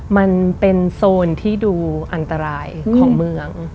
มันเป็นโซนที่ดูอันตรายของเมือง